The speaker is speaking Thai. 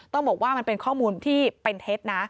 ต้องบอกว่ามันเป็นข้อมูลที่เป็นเท็จนะ